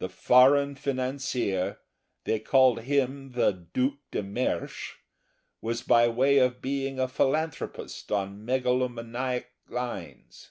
The foreign financier they called him the Duc de Mersch was by way of being a philanthropist on megalomaniac lines.